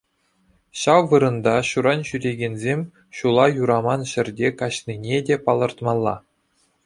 Ҫав вырӑнта ҫуран ҫӳрекенсем ҫула юраман ҫӗрте каҫнине те палӑртмалла.